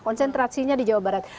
konsentrasinya di jawa barat